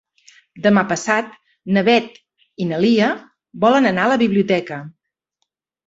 Demà passat na Beth i na Lia volen anar a la biblioteca.